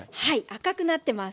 赤くなってます。